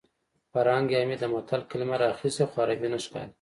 فرهنګ عمید د متل کلمه راخیستې خو عربي نه ښکاري